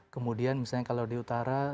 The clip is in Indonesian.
kemudian misalnya kalau di utara